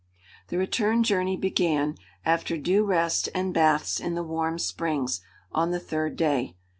The return journey began, after due rest and baths in the warm springs, on the third day.